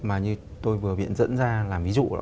mà như tôi vừa viện dẫn ra làm ví dụ